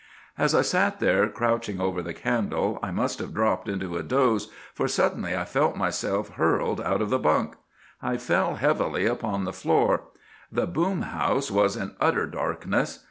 "As I sat there crouching over the candle I must have dropped into a doze, for suddenly I felt myself hurled out of the bunk. I fell heavily upon the floor. The boom house was in utter darkness.